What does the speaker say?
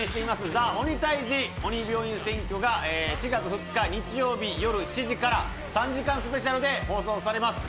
「ＴＨＥ 鬼タイジ鬼病院占拠」が４月２日、日曜日夜７時から３時間スペシャルで放送されます。